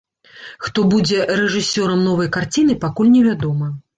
Хто будзе рэжысёрам новай карціны, пакуль невядома.